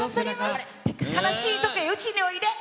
悲しいときはうちにおいで！